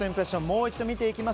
もう一度見ていきます。